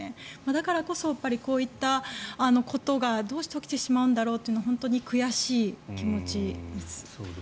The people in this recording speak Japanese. だからこそ、こういったことがどうして起きてしまうんだろうというのは本当に悔しい気持ちです。